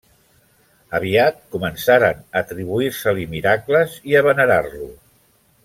Aviat començaren a atribuir-se-li miracles i a venerar-lo.